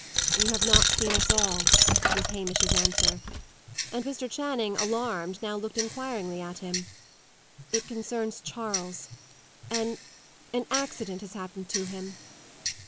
"You have not seen us all," was Hamish's answer. And Mr. Channing, alarmed, now looked inquiringly at him. "It concerns Charles. An an accident has happened to him."